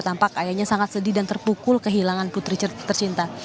tampak ayahnya sangat sedih dan terpukul kehilangan putri tercinta